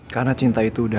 karena cinta itu udah